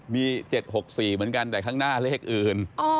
มีความว่ายังไง